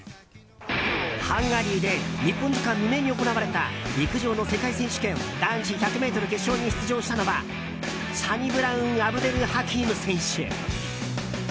ハンガリーで日本時間未明に行われた陸上の世界選手権男子１００ｍ決勝に出場したのはサニブラウン・アブデルハキーム選手。